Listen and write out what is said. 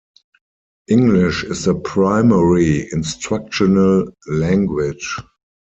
English is the primary instructional language.